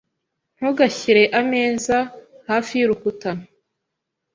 Ntugashyire ameza hafi y'urukuta.